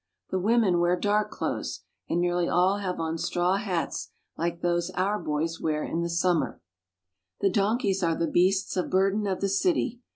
The women wear dark clothes, and nearly all have on straw hats like those our boys wear in the summer. The donkeys are the beasts of burden of the city.